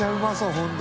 本当。